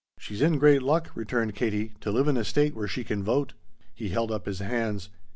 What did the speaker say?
"She's in great luck," returned Katie, "to live in a State where she can vote." He held up his hands.